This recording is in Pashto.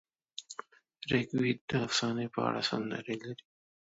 رګ وید د افسانې په اړه سندرې لري.